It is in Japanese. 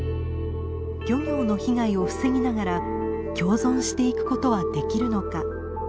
漁業の被害を防ぎながら共存していくことはできるのか？